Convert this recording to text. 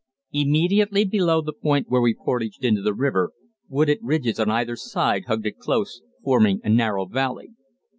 Immediately below the point where we portaged into the river, wooded ridges on either side hugged it close, forming a narrow valley.